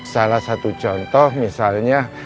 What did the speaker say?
salah satu contoh misalnya